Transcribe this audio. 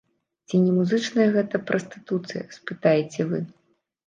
Ці не музычная гэта прастытуцыя, спытаеце вы?